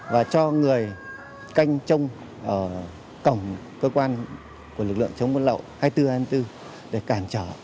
và cho người canh trong cổng cơ quan của lực lượng chống buôn lậu hai mươi bốn hai mươi bốn để cản trở